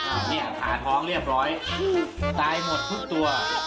เนี่ยผ่าท้องเรียบร้อยตายหมดทุกตัว